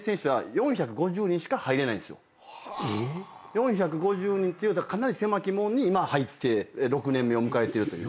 ⁉４５０人っていうかなり狭き門に今入って６年目を迎えてるという。